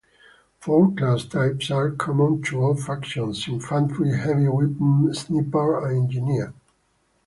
Four class types are common to all factions; infantry, heavy weapon, sniper and engineer.